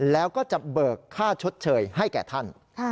แล้วก็จะเบิกค่าชดเชยให้แก่ท่าน